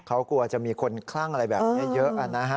เขากลัวจะมีคนคลั่งอะไรเยอะอ่ะ